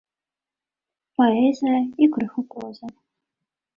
Паэзія і крыху прозы.